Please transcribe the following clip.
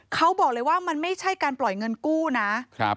เขาบอกเลยว่ามันไม่ใช่การปล่อยเงินกู้นะครับ